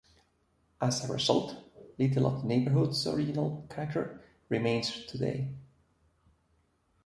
As a result, little of the neighborhood's original character remains today.